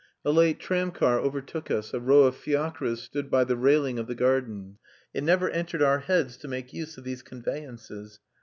A late tramcar overtook us; a row of fiacres stood by the railing of the gardens. It never entered our heads to make use of these conveyances.